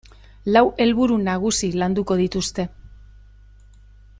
Lau helburu nagusi landuko dituzte.